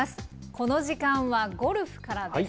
この時間はゴルフからです。